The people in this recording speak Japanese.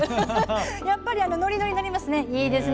やっぱりノリノリになりますね。